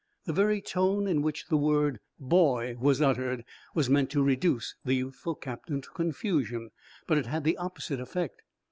The very tone in which the word "boy" was uttered was meant to reduce the youthful captain to confusion, but it had the opposite effect.